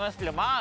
あ！